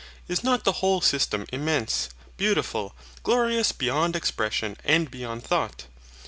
Is not the whole system immense, beautiful, glorious beyond expression and beyond thought!